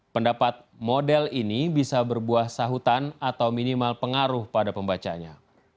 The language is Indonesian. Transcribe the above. pendapat model ini bisa berbuah sahutan atau minimal pengaruh pada pembacanya